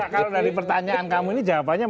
kalau dari pertanyaan kamu ini jawabannya